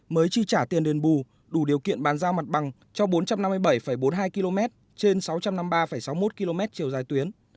mới chi trả tiền đền bù đủ điều kiện bàn giao mặt bằng cho bốn trăm năm mươi bảy bốn mươi hai km trên sáu trăm năm mươi ba sáu mươi một km chiều dài tuyến